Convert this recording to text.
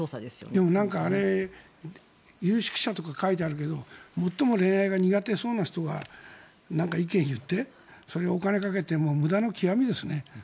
でもあれ有識者とか書いてあるけど最も恋愛が苦手そうな人が意見を言ってそれにお金をかけて無駄の極みですね。